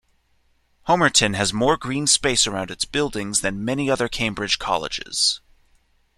Homerton has more green space around its buildings than many other Cambridge colleges.